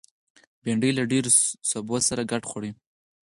بېنډۍ له ډېرو سبو سره ګډ خوري